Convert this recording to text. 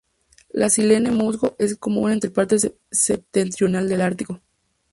La "Silene musgo" es común en el parte septentrional del ártico.